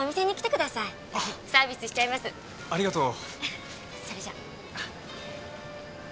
ありがとう。